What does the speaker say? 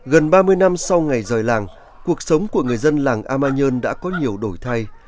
gần ba mươi năm sau ngày rời làng cuộc sống của người dân làng a ma nhơn đã có nhiều đổi thay